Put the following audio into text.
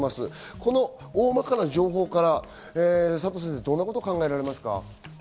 この大まかな情報から佐藤先生、どんなことが考えられますか？